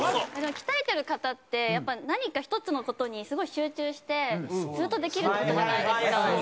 鍛えてる方ってやっぱり何か１つの事にすごい集中してずっとできるって事じゃないですか。